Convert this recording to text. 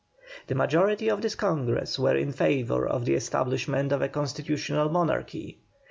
The majority of this Congress were in favour of the establishment of a constitutional monarchy.